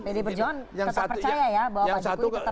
pdi perjuangan tetap percaya ya bahwa pak jokowi tetap